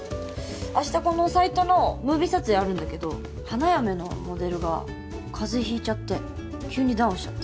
明日このサイトのムービー撮影あるんだけど花嫁のモデルが風邪引いちゃって急にダウンしちゃって。